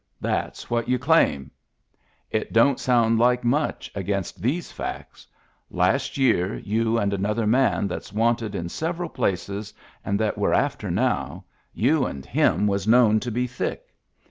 That's what you claim. It don't sound like much against these facts : last year you and an other man that's wanted in several places and that we're after now — you and him was known to be thick.